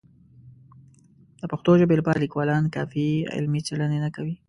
د پښتو ژبې لپاره لیکوالان کافي علمي څېړنې نه کوي.